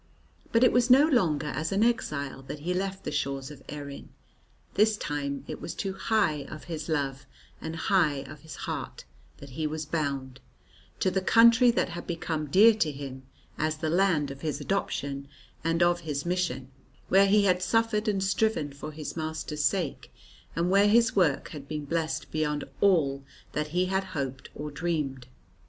But it was no longer as an exile that he left the shores of Erin. This time it was to "Hy of his love, and Hy of his heart" that he was bound to the country that had become dear to him as the land of his adoption and of his mission; where he had suffered and striven for his Master's sake, and where his work had been blessed beyond all that he had hoped or dreamed.